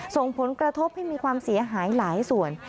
ส่งผลกระทบให้มีความเสียหายหลายส่วน